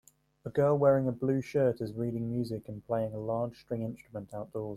A girl wearing a blue shirt is reading music and playing a large string instrument outdoors.